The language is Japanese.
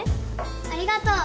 ありがとう。